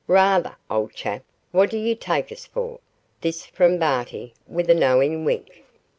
'Rather, old chap; what do you take us for?' this from Barty, with a knowing wink.